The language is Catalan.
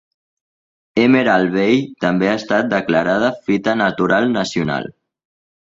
Emerald Bay també ha estat declarada fita natural nacional.